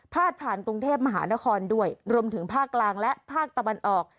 ผ่านกรุงเทพมหานครด้วยรวมถึงภาคกลางและภาคตะวันออก